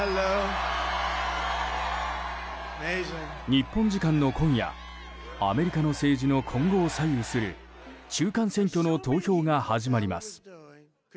日本時間の今夜アメリカの政治の今後を左右する中間選挙の投票が始まります。